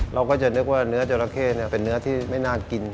เราก็จะนึกว่าเนื้อจราเข้เป็นเนื้อที่ไม่น่ากิน